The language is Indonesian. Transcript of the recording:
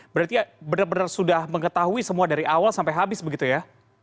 berarti benar benar sudah mengetahui semua dari awal sampai habis begitu ya